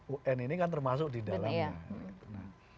un ini kan termasuk di dalamnya